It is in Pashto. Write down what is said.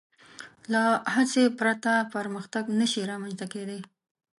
له هڅې پرته پرمختګ نهشي رامنځ ته کېدی.